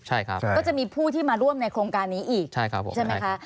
ใช่ครับก็จะมีผู้ที่มาร่วมในโครงการนี้อีกใช่ครับผมใช่ไหมคะ